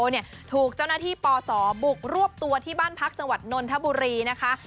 เนี่ยถูกเจ้าหน้าที่ปศบุกรวบตัวที่บ้านพักจังหวัดนนทบุรีนะคะ